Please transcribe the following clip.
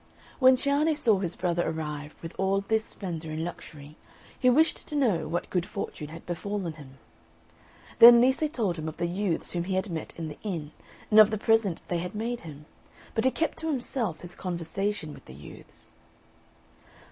When Cianne saw his brother arrive, with all this splendour and luxury, he wished to know what good fortune had befallen him. Then Lise told him of the youths whom he had met in the inn, and of the present they had made him; but he kept to himself his conversation with the youths.